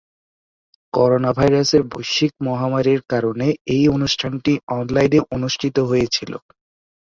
করোনাভাইরাসের বৈশ্বিক মহামারীর কারণে এই অনুষ্ঠানটি অনলাইনে অনুষ্ঠিত হয়েছিল।